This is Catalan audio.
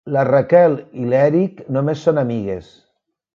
La Raquel i l'Eric només són amigues.